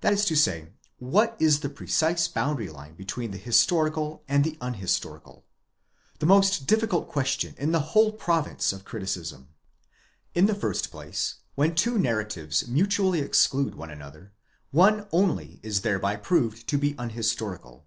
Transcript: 'That is to say, what is the precise boundary line between the historical and the unhistorical ?—the most difficult question in the whole province of criticism. In the first place, when two narratives mutually exclude one another, one only is thereby proved to be unhistorical.